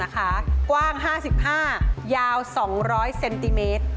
กว้าง๕๕ยาว๒๐๐เซนติเมตร